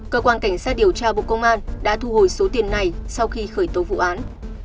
cơ quan cảnh sát điều tra bộ công an đã thu hồi số tiền này sau khi khởi tố vụ án